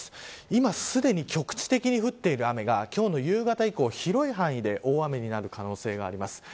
今、すでに局地的に降っている雨が今日の夕方以降、広い範囲で大雨になる可能性があります。